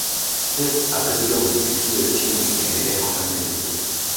pep akaziba masikio timu ikaendelea kufanya vizuri